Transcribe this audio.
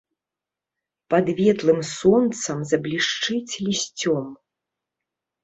Пад ветлым сонцам заблішчыць лісцём.